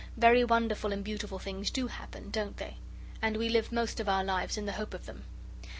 Very wonderful and beautiful things do happen, don't they? And we live most of our lives in the hope of them.